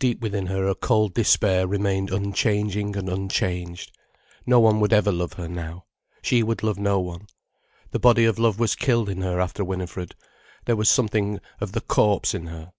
Deep within her a cold despair remained unchanging and unchanged. No one would ever love her now—she would love no one. The body of love was killed in her after Winifred, there was something of the corpse in her.